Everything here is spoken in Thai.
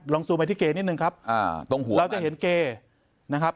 ซูมไปที่เกนิดนึงครับอ่าตรงหัวเราจะเห็นเกนะครับ